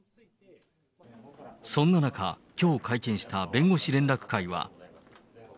そんな中、きょう会見した弁護士連絡会は。